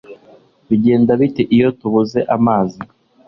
Bigenda bite iyo tubuze amazi?